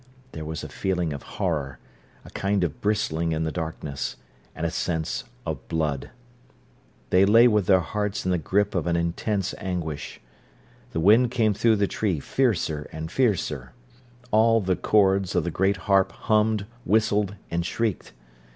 There was a feeling of horror, a kind of bristling in the darkness, and a sense of blood. They lay with their hearts in the grip of an intense anguish. The wind came through the tree fiercer and fiercer. All the chords of the great harp hummed, whistled, and shrieked.